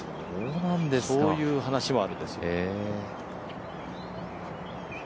そういう話もあるんですよ。